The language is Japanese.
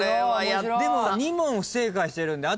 でも２問不正解してるんで。